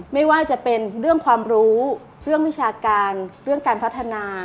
ไม่ว่าจะเป็นเรื่องความรู้เรื่องวิชาการเรื่องการพัฒนา